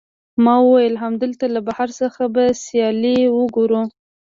ما وویل، همدلته له بهر څخه به سیالۍ وګورو.